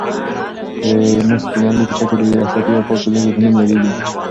تېنس د نړۍ په کچه د یوې اشرافي او پاکې لوبې په نوم یادیږي.